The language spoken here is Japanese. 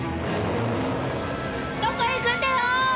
どこへ行くんだよ！